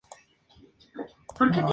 Madrid: Universidad Complutense.